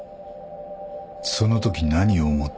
そのとき何を思った？